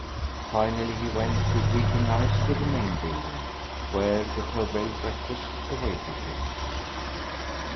Finally he went with weeping eyes to the main building, where the farewell breakfast awaited him.